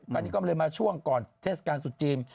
วันนี้ก็มาช่วงเทศกาลตุดจีน